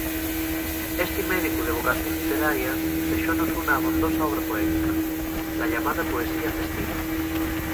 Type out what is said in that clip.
Esti médicu de vocación lliteraria dexónos una abondosa obra poética, la llamada poesía festiva.